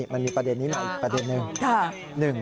มันมีประเด็นนี้หน่อยประเด็นนึง